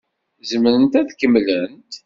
Zemrent ad kemmlent?